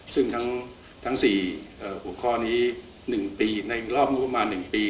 ซึ่งทั้งสี่หัวข้อนี้หนึ่งปีในรอบงบประมาณหนึ่งปี